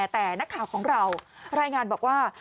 แต่นักข่าวของเรารายงานบอกว่า